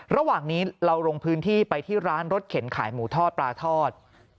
ระหว่างนี้เราลงพื้นที่ไปที่ร้านรถเข็นขายหมูทอดปลาทอด